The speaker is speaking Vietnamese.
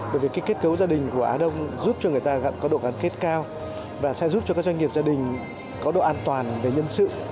bởi vì kết cấu gia đình của á đông giúp cho người ta có độ gắn kết cao và sẽ giúp cho các doanh nghiệp gia đình có độ an toàn về nhân sự